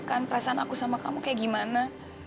kamu tahu kan perasaan aku sama kamu kayak gimana